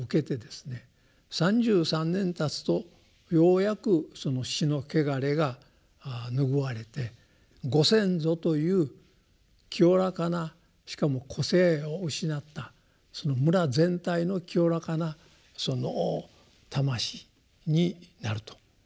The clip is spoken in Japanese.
３３年たつとようやくその死の穢れが拭われて「ご先祖」という清らかなしかも個性を失ったその村全体の清らかな魂になると。